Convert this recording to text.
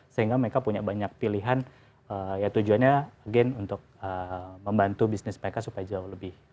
sehingga mereka punya banyak pilihan ya tujuannya again untuk membantu bisnis mereka supaya jauh lebih